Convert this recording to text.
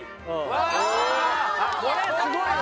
これすごいわ。